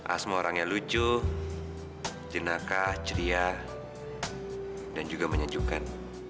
asma orang yang lucu jenaka ceria dan juga menyenjukkan